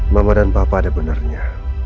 mama dan papa ada benarnya